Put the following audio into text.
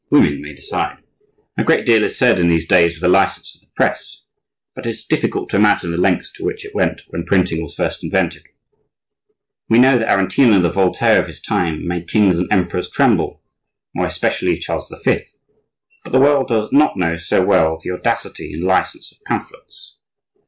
Women may decide. A great deal is said in these days of the license of the press; but it is difficult to imagine the lengths to which it went when printing was first invented. We know that Aretino, the Voltaire of his time, made kings and emperors tremble, more especially Charles V.; but the world does not know so well the audacity and license of pamphlets.